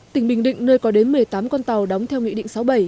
tỉnh bình định nơi có đến một mươi tám con tàu đóng theo nghị định sáu mươi bảy